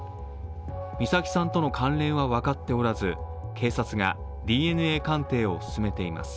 美咲さんとの関連は分かっておらず、警察がＤＮＡ鑑定を進めています。